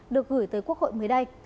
được gửi tới quốc hội mới đây